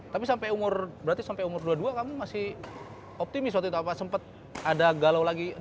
tapi sampai umur berarti sampai umur dua puluh dua kamu masih optimis waktu itu apa sempat ada galau lagi